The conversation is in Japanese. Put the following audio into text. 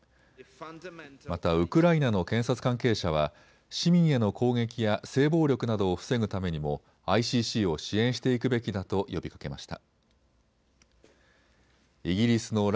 またウクライナの検察関係者は市民への攻撃や性暴力などを防ぐためにもＩＣＣを支援していくべきだと呼びかけました。